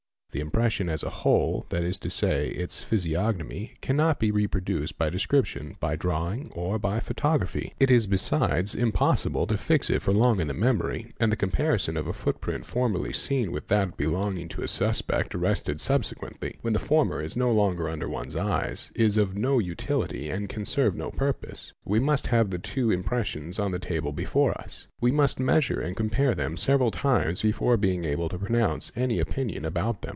The impression as a whole, that is to say, its | physiognomy, cannot be reproduced by description, by drawing, or by © photography. It is besides impossible to fix it for long in the memory — and the comparison of a footprint formerly seen with that belonging to a — suspect arrested subsequently, when the former is no longer under one's — eyes, is of no utility and can serve no purpose. We must have the two impressions on the table before us. We must measure and compare | them several times before being able to pronounce any opinion about them.